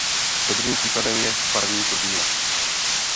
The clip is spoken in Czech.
Dobrým příkladem je parní turbína.